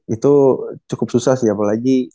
itu cukup susah sih apalagi